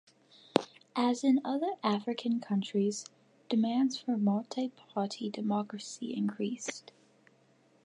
As in other African countries, demands for multi-party democracy increased.